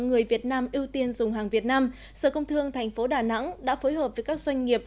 người việt nam ưu tiên dùng hàng việt nam sở công thương tp đà nẵng đã phối hợp với các doanh nghiệp